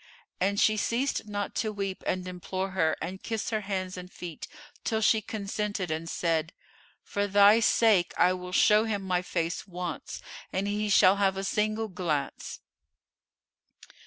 And she ceased not to weep and implore her and kiss her hands and feet, till she consented and said, "For thy sake I will show him my face once and he shall have a single glance."